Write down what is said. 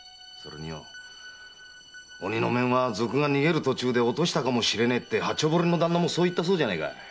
それに鬼の面は賊が逃げる途中で落としたかもしれねえって八丁堀の旦那も言ったそうじゃないか。